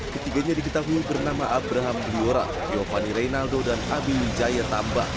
ketiganya diketahui bernama abraham bliora giovanni reinaldo dan abiy wijaya tamba